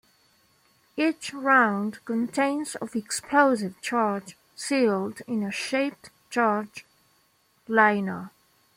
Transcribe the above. Each round contains of explosive charge sealed in a shaped-charge liner.